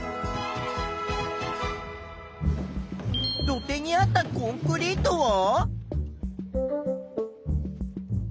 土手にあったコンクリートは？